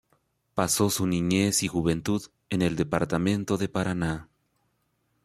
Pasó su niñez y juventud en el departamento de Paraná.